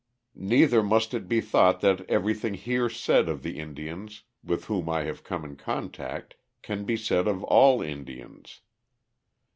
Neither must it be thought that everything here said of the Indians with whom I have come in contact can be said of all Indians.